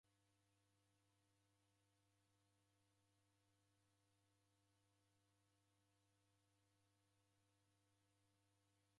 W'ujuzi gholuka maridia ghwatesiaa w'ai na w'adaw'ana kuzoya kazi raw'o w'eni.